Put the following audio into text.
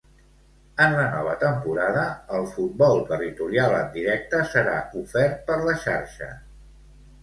En la nova temporada, el futbol territorial en directe serà ofert per La Xarxa.